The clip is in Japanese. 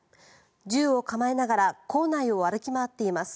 銃を構えながら校内を歩き回っています。